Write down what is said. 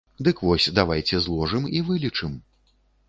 Дык вось давайце зложым і вылічым.